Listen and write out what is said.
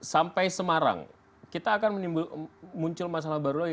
sampai semarang kita akan muncul masalah baru lagi